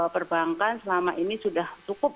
perbankan selama ini sudah cukup